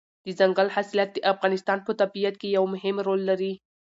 دځنګل حاصلات د افغانستان په طبیعت کې یو مهم رول لري.